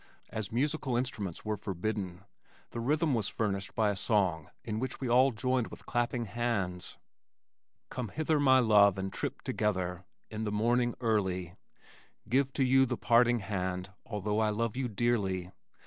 As musical instruments were forbidden, the rhythm was furnished by a song in which we all joined with clapping hands. Come hither, my love, and trip together In the morning early, Give to you the parting hand Although I love you dearly.